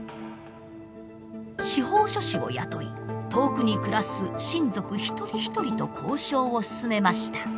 司法書士を雇い遠くに暮らす親族一人一人と交渉を進めました。